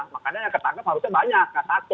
makanya yang ketangkep harusnya banyak yang satu